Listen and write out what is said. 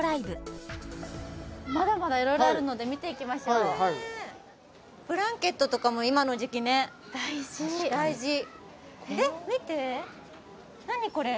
まだまだいろいろあるので見ていきましょうブランケットとかも今の時期ね大事大事えっ見て何これ？